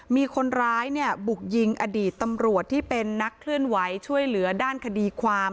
มีคนร้ายเนี่ยบุกยิงอดีตตำรวจที่เป็นนักเคลื่อนไหวช่วยเหลือด้านคดีความ